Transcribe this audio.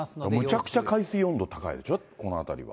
むちゃくちゃ海水温度高いでしょう、この辺りは。